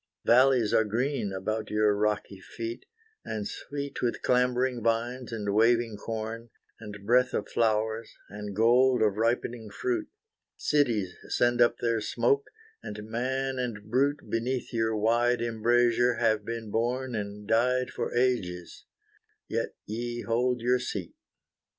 Vallies are green about your rocky feet, And sweet with clambering vines, and waving corn, And breath of flowers, and gold of ripening fruit; Cities send up their smoke, and man and brute Beneath your wide embrazure have been born And died for ages, yet Ye hold your seat.